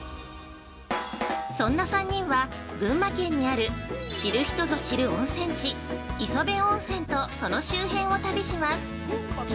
そんな３人は群馬県にある知る人ぞ知る温泉地磯部温泉とその周辺を旅します。